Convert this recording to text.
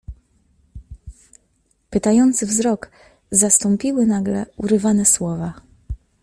"Pytający wzrok zastąpiły nagle urywane słowa."